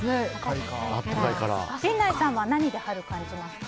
陣内さんは何で春感じますか？